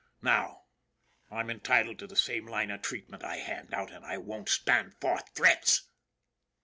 Now, I'm entitled to the same line of treatment I hand out, and I won't stand for threats